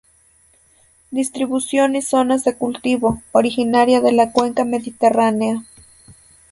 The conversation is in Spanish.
Distribución y zonas de cultivo: originaria de la Cuenca Mediterránea.